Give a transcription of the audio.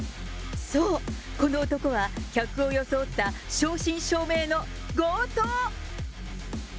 そう、この男は客を装った正真正銘の強盗。